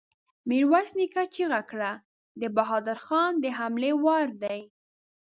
ميرويس نيکه چيغه کړه! د بهادر خان د حملې وار دی!